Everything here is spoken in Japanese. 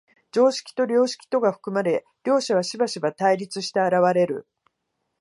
常識と良識とが含まれ、両者はしばしば対立して現れる。